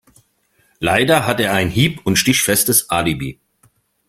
Leider hat er ein hieb- und stichfestes Alibi.